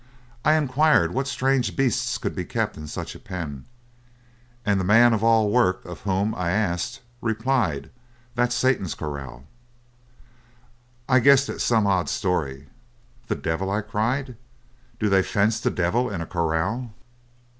I inquired what strange beasts could be kept in such a pen, and the man of all work of whom I asked replied: 'That's Satan's corral.' "I guessed at some odd story. 'The devil?' I cried, 'Do they fence the devil in a corral?'